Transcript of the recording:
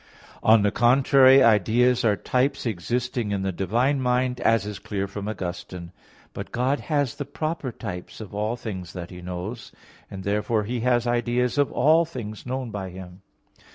On the contrary, Ideas are types existing in the divine mind, as is clear from Augustine (Octog. Tri. Quaest. qu. xlvi). But God has the proper types of all things that He knows; and therefore He has ideas of all things known by Him.